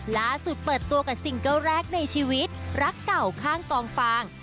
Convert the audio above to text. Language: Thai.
ล่าสุดเปิดตัวกับซิงเกิ้ลแรกในชีวิตรักเก่าข้างกองฟาง